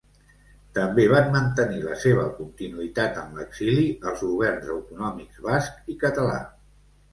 També van mantenir la seva continuïtat en l'exili els governs autonòmics basc i català.